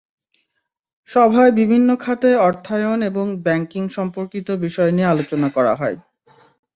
সভায় বিভিন্ন খাতে অর্থায়ন এবং ব্যাংকিং সম্পর্কিত বিষয় নিয়ে আলোচনা করা হয়।